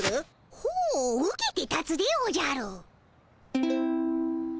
ほう受けて立つでおじゃる。